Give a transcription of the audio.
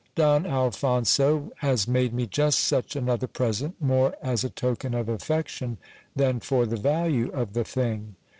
Don Alphonso has made me just such another present, more as a'token of affection than for the value of the thing.